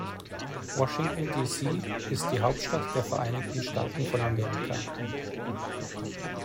Washington, D.C. ist die Hauptstadt der Vereinigten Staaten von Amerika.